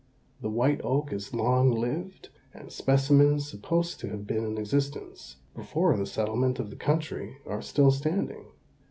The white oak is long lived, and specimens supposed to have been in existence before the settlement of the country are still standing.